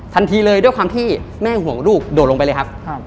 ทันทีเลยด้วยความที่แม่ห่วงลูกโดดลงไปเลยครับ